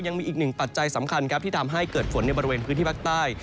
ยังมีอีกหนึ่งปัจจัยสำคัญครับที่ทำให้เกิดฝนในบริเวณพื้นที่ภาคใต้